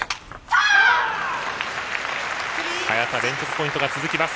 早田、連続ポイントが続きます。